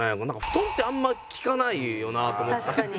「布団」ってあんまり聞かないよなと思って。